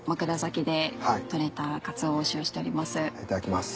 いただきます。